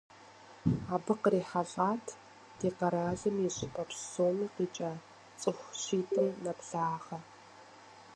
Абы кърихьэлӏат ди къэралым и щӏыпӏэ псоми къикӏа цӏыху щитӏым нэблагъэ.